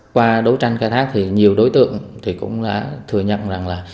qua đấu tranh khai thác thì nhiều đối tượng thì cũng đã thừa nhận rằng là